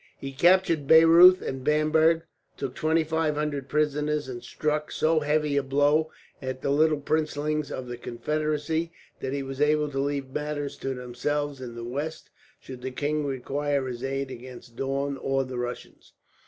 He captured Bayreuth and Bamberg, took twenty five hundred prisoners, and struck so heavy a blow at the little princelings of the Confederacy that he was able to leave matters to themselves in the west, should the king require his aid against Daun or the Russians.